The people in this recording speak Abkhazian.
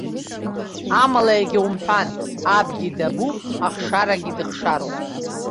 Амала, егьа умҳәан абгьы дабуп, ахшарагьы дыхшароуп.